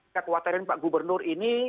kekhawatiran pak gubernur ini